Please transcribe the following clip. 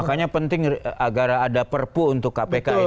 makanya penting agar ada perpu untuk kpk ya